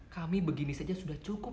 kami begini saja sudah cukup